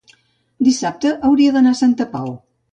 dissabte hauria d'anar a Santa Pau.